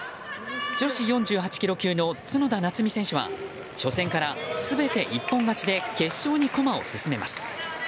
女子４８ｋｇ級の角田夏実選手は初戦から全て一本勝ちで決勝に駒を進めます。